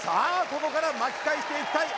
ここから巻き返していきたい